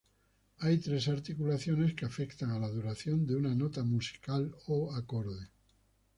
Hay tres articulaciones que afectan a la duración de una nota musical o acorde.